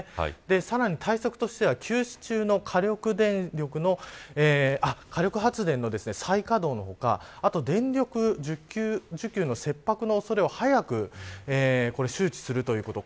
さらに対策としては休止中の火力発電の再稼働の他電力需給のひっ迫の恐れを早く周知するということ。